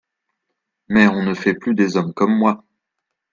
Mais on ne fait plus des hommes comme moi.